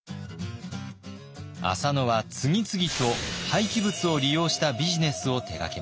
浅野は次々と廃棄物を利用したビジネスを手がけます。